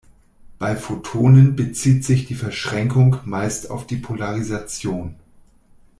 Bei Photonen bezieht sich die Verschränkung meist auf die Polarisation.